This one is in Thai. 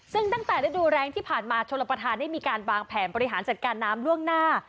ซึ่งตั้งแต่ฤดูแรงที่ผ่านมาชลประธานได้มีการวางแผนบริหารจัดการน้ำล่วงหน้า